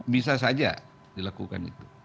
bisa saja dilakukan itu